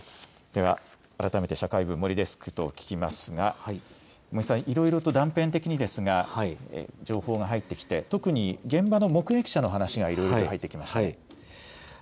では改めて社会部森デスクに聞きますがいろいろと断片的にですが情報が入ってきて特に現場の目撃者の話が入ってきましたね。